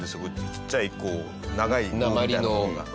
ちっちゃいこう長い棒みたいなものが。